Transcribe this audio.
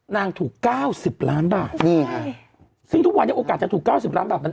นางถูกเก้าสิบล้านบาทนี่ซึ่งทุกวันยังโอกาสจะถูกเก้าสิบล้านบาท